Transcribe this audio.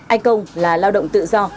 anh công là lao động tự do